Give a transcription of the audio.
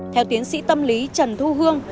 theo tiến sĩ tâm lý trần thu hương